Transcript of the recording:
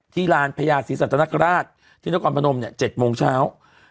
ที่รานพญาศีสัตว์นักราชที่นกรมพนม๗โมงเช้า